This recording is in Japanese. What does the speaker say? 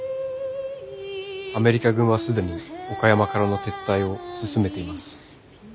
アメリカ軍は既に岡山からの撤退を進めています。